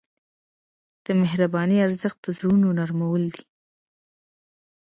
د مهربانۍ ارزښت د زړونو نرمول دي.